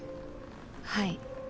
はい。